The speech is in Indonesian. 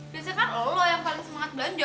biasanya kan allah yang paling semangat belanja